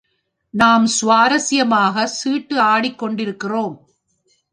நாம் சுவாரசியமாகச் சீட்டு ஆடிக் கொண்டிருக்கிறோம்.